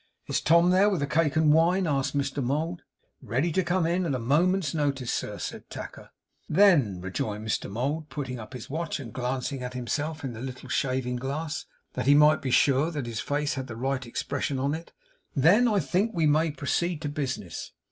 'Is Tom there, with the cake and wine?' asked Mr Mould. 'Ready to come in at a moment's notice, sir,' said Tacker. 'Then,' rejoined Mr Mould, putting up his watch, and glancing at himself in the little shaving glass, that he might be sure his face had the right expression on it; 'then I think we may proceed to business.